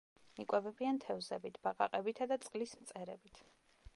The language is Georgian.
იკვებებიან თევზებით, ბაყაყებითა და წყლის მწერებით.